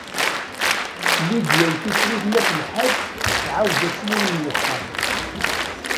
Lidya n Tifrit n At Lḥaǧ tɛawed-as i yiwen n wexxam.